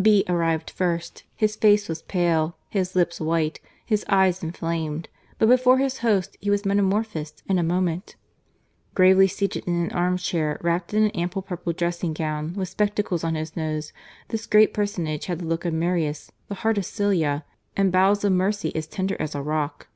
B arrived first; his face was pale, his lips white, his eyes inflamed, but before his host he was metamorphosed in a moment. Gravely seated in an armchair, wrapped in an ample purple dressing gown, with spectacles on his nose, this great per sonage had the look of Marius, the heart of Sylla, and bowels of mercy as tender as a rock.